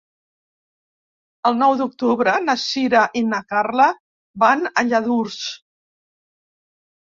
El nou d'octubre na Sira i na Carla van a Lladurs.